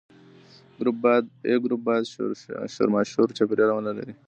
A ګروپ باید شورماشور چاپیریال ونه لري.